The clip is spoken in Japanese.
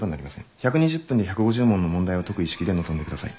１２０分で１５０問の問題を解く意識で臨んでください」。